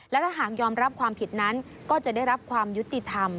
และถ้าหากยอมรับความผิดนั้นก็จะได้รับความยุติธรรม